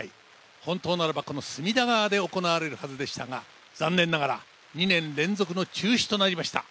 本当ならばこの隅田川で行われるはずでしたが残念ながら２年連続の中止となりました。